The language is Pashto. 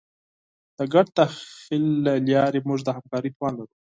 د ګډ تخیل له لارې موږ د همکارۍ توان لرو.